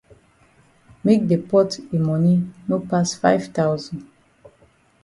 Make the pot yi moni no pass five thousand.